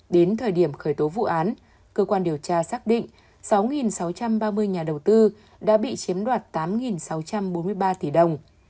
đến thời điểm khởi tố vụ án cơ quan điều tra xác định sáu sáu trăm ba mươi nhà đầu tư đã bị chiếm đoạt tám sáu trăm bốn mươi ba tỷ đồng